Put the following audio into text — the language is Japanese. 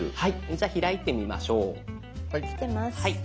じゃあ開いてみましょう。来てます。